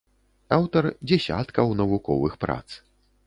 Аўтар дзесяткаў навуковых прац.